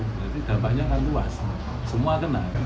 berarti dampaknya akan luas semua kena